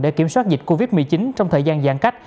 để kiểm soát dịch covid một mươi chín trong thời gian giãn cách